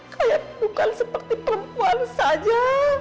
kayak bukan seperti perempuan saja